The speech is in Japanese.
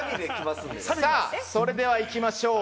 それでは、いきましょう。